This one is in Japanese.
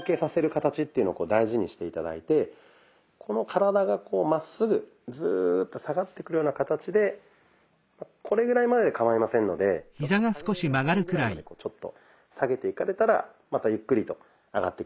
形っていうのを大事にして頂いてこの体がこうまっすぐズーッと下がってくるような形でこれぐらいまででかまいませんのでちょっと下げれる範囲ぐらいまでこうちょっと下げていかれたらまたゆっくりと上がってきます。